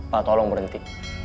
pak tolong berhenti